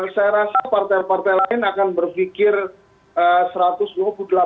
saya rasa partai partai lain akan berpikir satu ratus dua puluh delapan persen